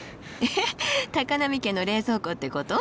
えっ波家の冷蔵庫ってこと？